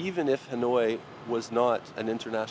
và kết hợp với các thành phố khác